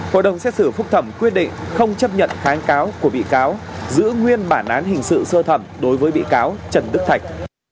hội đồng xét xử phúc thẩm quyết định không chấp nhận kháng cáo của bị cáo giữ nguyên bản án hình sự sơ thẩm đối với bị cáo trần đức thạch